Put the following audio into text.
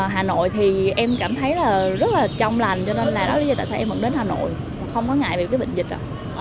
hà nội thì em cảm thấy là rất là trong lành cho nên là đó là lý do tại sao em vẫn đến hà nội không có ngại về cái bệnh dịch đâu